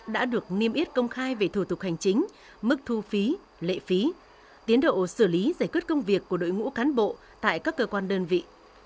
đã được niêm yết công khai về thủ tục hành chính mức thu phí lệ phí tiến độ xử lý giải quyết công việc của đội ngũ cán bộ tại các cơ quan đơn vị